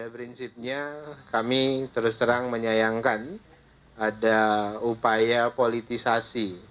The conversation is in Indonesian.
prinsipnya kami terus terang menyayangkan ada upaya politisasi